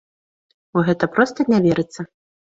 У гэта проста не верыцца.